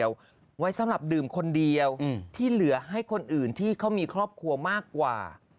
ไว้สำหรับดื่มคนเดียวที่เหลือให้คนอื่นที่เขามีครอบครัวมากกว่า